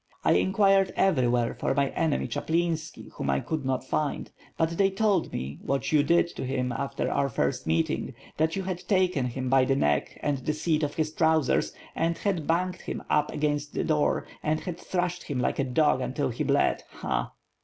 I enquired everywhere for my enemy Chaplinski whom I could not find; but they told me what you did to him after our first meeting; that you had taken him by the neck and the seat of his trousers and had banged him up against the door and had thrashed him like a dog until he bled. Ha!"